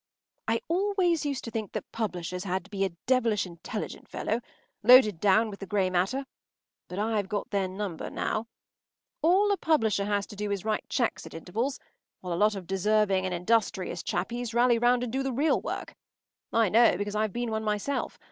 ” I always used to think that publishers had to be devilish intelligent fellows, loaded down with the grey matter; but I’ve got their number now. All a publisher has to do is to write cheques at intervals, while a lot of deserving and industrious chappies rally round and do the real work. I know, because I’ve been one myself.